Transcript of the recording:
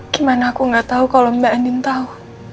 gimana aku gak tau kalo mbak andin tau